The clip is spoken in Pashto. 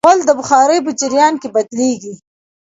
غول د بخار په جریان کې بدلېږي.